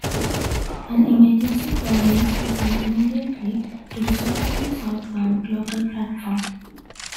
An emergency phone is present immediately to the south of the southbound local platform.